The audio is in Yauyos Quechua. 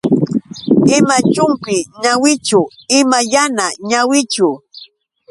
Ima chumpi ñawichu, ima yana ñawichu.